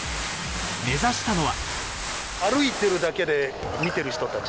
目指したのは。